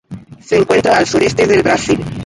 Se encuentra al sureste del Brasil.